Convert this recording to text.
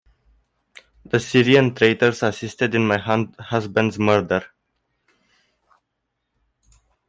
The Syrian traitors assisted in my husband's murder.